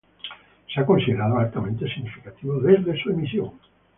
Se ha considerado altamente significativo desde su emisión.